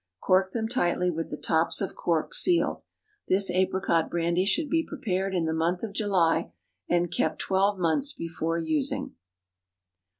Cork them tightly, with the tops of corks sealed. This apricot brandy should be prepared in the month of July, and kept twelve months before using.